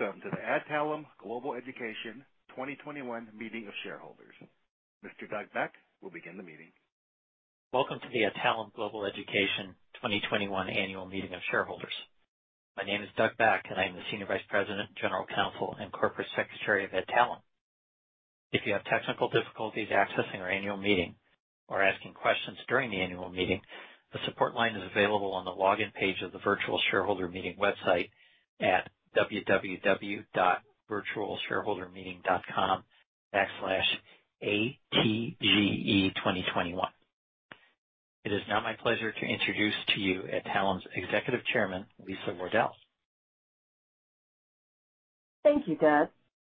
Welcome to the Adtalem Global Education 2021 meeting of shareholders. Mr. Douglas Beck will begin the meeting. Welcome to the Adtalem Global Education 2021 annual meeting of shareholders. My name is Douglas Beck, and I am the Senior Vice President, General Counsel, and Corporate Secretary of Adtalem. If you have technical difficulties accessing our annual meeting or asking questions during the annual meeting, the support line is available on the login page of the virtual shareholder meeting website at www.virtualshareholdermeeting.com/atge2021. It is now my pleasure to introduce to you Adtalem's Executive Chairman, Lisa Wardell. Thank you, Doug.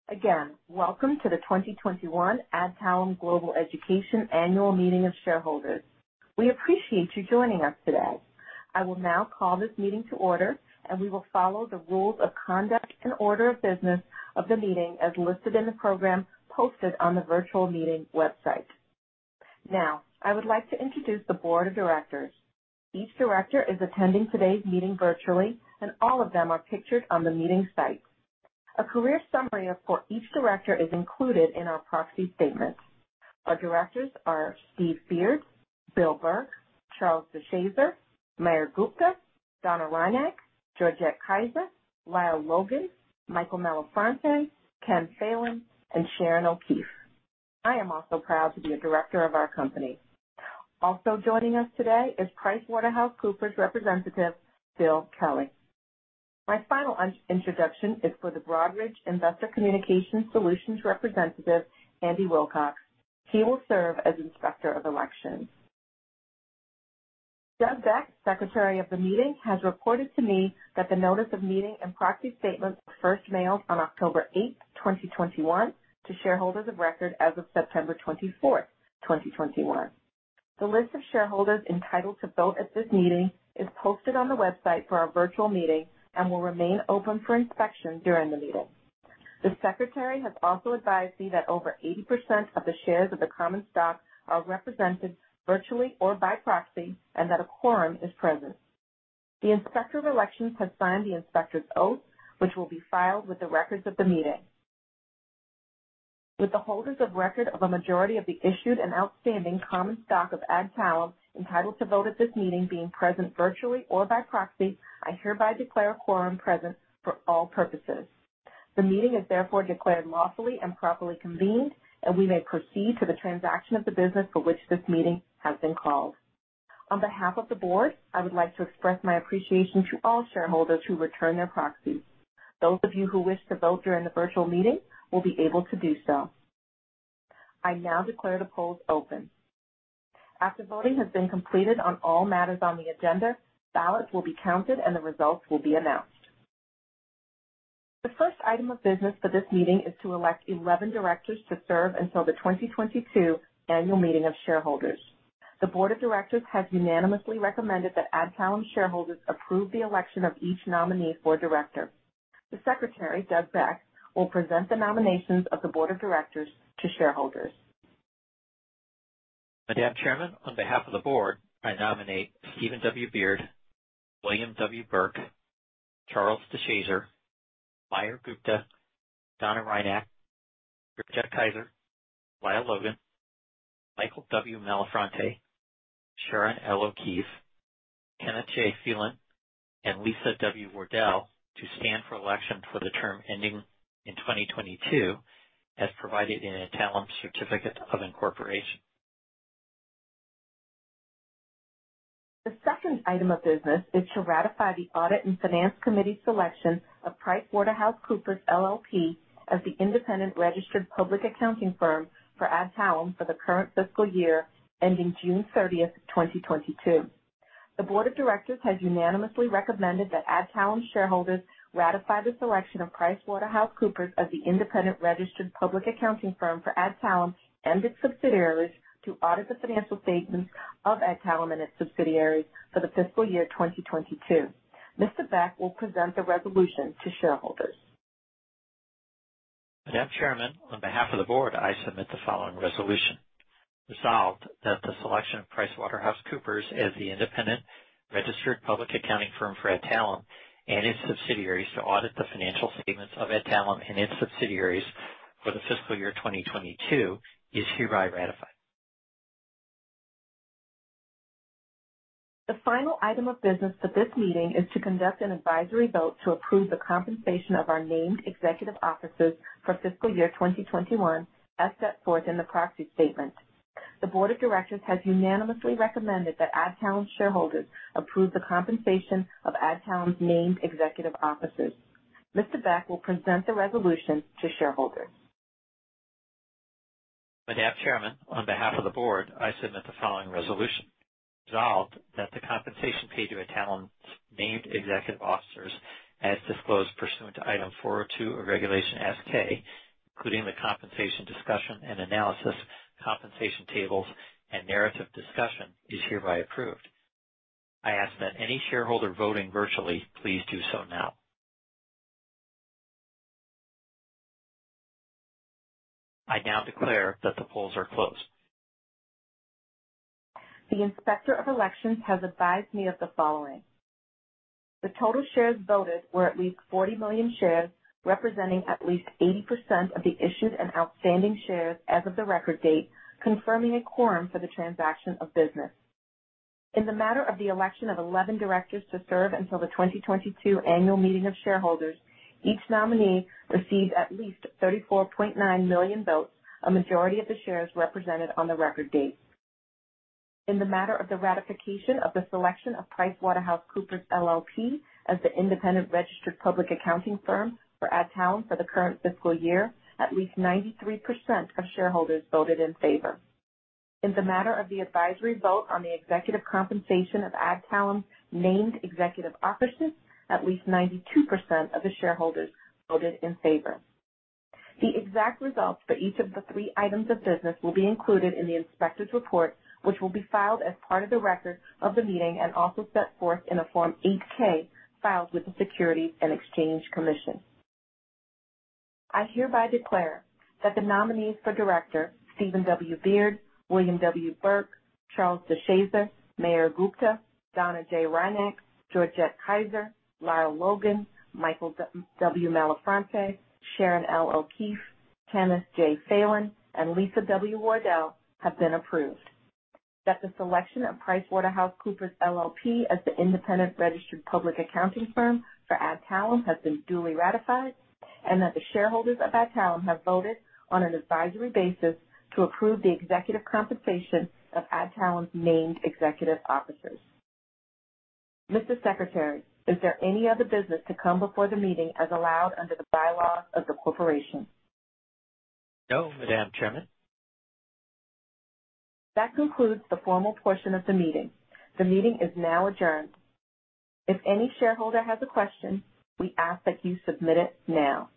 Again, welcome to the 2021 Adtalem Global Education annual meeting of shareholders. We appreciate you joining us today. I will now call this meeting to order, and we will follow the rules of conduct and order of business of the meeting, as listed in the program posted on the virtual meeting website. Now, I would like to introduce the board of directors. Each director is attending today's meeting virtually, and all of them are pictured on the meeting site. A career summary for each director is included in our proxy statement. Our directors are Steve Beard, Bill Burke, Charles DeShazer, Mayur Gupta, Donna Hrinak, Georgette Kiser, Lyle Logan, Michael Malafronte, Ken Phelan, and Sharon O'Keefe. I am also proud to be a director of our company. Also joining us today is PricewaterhouseCoopers representative, Bill Kelly. My final introduction is for the Broadridge Investor Communication Solutions representative, Andy Wilcox. He will serve as Inspector of Elections. Douglas Beck, Secretary of the meeting, has reported to me that the notice of meeting and proxy statement was first mailed on October 8, 2021 to shareholders of record as of September 24, 2021. The list of shareholders entitled to vote at this meeting is posted on the website for our virtual meeting and will remain open for inspection during the meeting. The Secretary has also advised me that over 80% of the shares of the common stock are represented virtually or by proxy and that a quorum is present. The Inspector of Elections has signed the Inspector's oath, which will be filed with the records of the meeting. With the holders of record of a majority of the issued and outstanding common stock of Adtalem entitled to vote at this meeting being present virtually or by proxy, I hereby declare a quorum present for all purposes. The meeting is therefore declared lawfully and properly convened, and we may proceed to the transaction of the business for which this meeting has been called. On behalf of the board, I would like to express my appreciation to all shareholders who returned their proxies. Those of you who wish to vote during the virtual meeting will be able to do so. I now declare the polls open. After voting has been completed on all matters on the agenda, ballots will be counted, and the results will be announced. The first item of business for this meeting is to elect 11 directors to serve until the 2022 annual meeting of shareholders. The board of directors has unanimously recommended that Adtalem shareholders approve the election of each nominee for director. The Secretary, Douglas Beck, will present the nominations of the board of directors to shareholders. Madam Chairman, on behalf of the board, I nominate Stephen W. Beard, William W. Burke, Charles DeShazer, Mayur Gupta, Donna Hrinak, Georgette Kiser, Lyle Logan, Michael W. Malafronte, Sharon L. O'Keefe, Kenneth J. Phelan, and Lisa W. Wardell to stand for election for the term ending in 2022, as provided in Adtalem's certificate of incorporation. The second item of business is to ratify the Audit and Finance Committee selection of PricewaterhouseCoopers LLP as the independent registered public accounting firm for Adtalem for the current fiscal year ending June 30, 2022. The board of directors has unanimously recommended that Adtalem shareholders ratify the selection of PricewaterhouseCoopers as the independent registered public accounting firm for Adtalem and its subsidiaries to audit the financial statements of Adtalem and its subsidiaries for the fiscal year 2022. Mr. Beck will present the resolution to shareholders. Madam Chairman, on behalf of the board, I submit the following resolution. Resolved, that the selection of PricewaterhouseCoopers as the independent registered public accounting firm for Adtalem and its subsidiaries to audit the financial statements of Adtalem and its subsidiaries for the fiscal year 2022 is hereby ratified. The final item of business for this meeting is to conduct an advisory vote to approve the compensation of our named executive officers for fiscal year 2021, as set forth in the proxy statement. The Board of Directors has unanimously recommended that Adtalem shareholders approve the compensation of Adtalem's named executive officers. Mr. Beck will present the resolution to shareholders. Madam Chairman, on behalf of the board, I submit the following resolution. Resolved, that the compensation paid to Adtalem's named executive officers as disclosed pursuant to Item 402 of Regulation S-K, including the compensation discussion and analysis, compensation tables, and narrative discussion, is hereby approved. I ask that any shareholder voting virtually please do so now. I now declare that the polls are closed. The Inspector of Elections has advised me of the following. The total shares voted were at least 40 million shares, representing at least 80% of the issued and outstanding shares as of the record date, confirming a quorum for the transaction of business. In the matter of the election of 11 directors to serve until the 2022 annual meeting of shareholders, each nominee received at least 34.9 million votes, a majority of the shares represented on the record date. In the matter of the ratification of the selection of PricewaterhouseCoopers LLP as the independent registered public accounting firm for Adtalem for the current fiscal year, at least 93% of shareholders voted in favor. In the matter of the advisory vote on the executive compensation of Adtalem named executive officers, at least 92% of the shareholders voted in favor. The exact results for each of the three items of business will be included in the inspector's report, which will be filed as part of the record of the meeting and also set forth in a Form 8-K filed with the Securities and Exchange Commission. I hereby declare that the nominees for director Stephen W. Beard, William W. Burke, Charles DeShazer, Mayur Gupta, Donna J. Hrinak, Georgette Kiser, Lyle Logan, Michael W. Malafronte, Sharon L. O'Keefe, Kenneth J. Phelan, and Lisa W. Wardell have been approved. That the selection of PricewaterhouseCoopers LLP as the independent registered public accounting firm for Adtalem has been duly ratified. That the shareholders of Adtalem have voted on an advisory basis to approve the executive compensation of Adtalem's named executive officers. Mr. Secretary, is there any other business to come before the meeting as allowed under the bylaws of the corporation? No, Madam Chairman. That concludes the formal portion of the meeting. The meeting is now adjourned. If any shareholder has a question, we ask that you submit it now.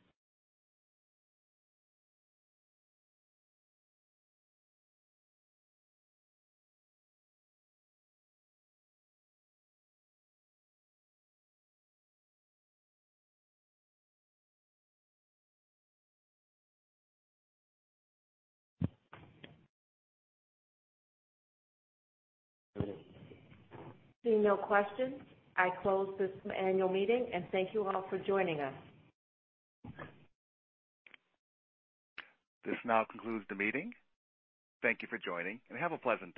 Seeing no questions, I close this annual meeting and thank you all for joining us. This now concludes the meeting. Thank you for joining, and have a pleasant day.